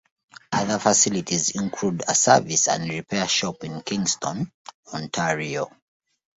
Other facilities include a service and repair shop in Kingston, Ontario.